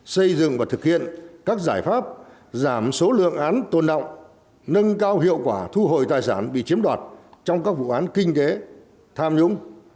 xây dựng và thực hiện các giải pháp giảm số lượng án tồn động nâng cao hiệu quả thu hồi tài sản bị chiếm đoạt trong các vụ án kinh tế tham nhũng